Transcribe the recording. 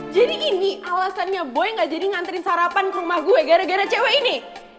jadi ini alasannya boy gak jadi nganterin sarapan ke rumah gue gara gara cewek ini